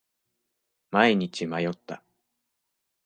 毎日迷った。